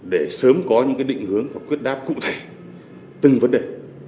để sớm có những định hướng và quyết đáp cụ thể từng vấn đề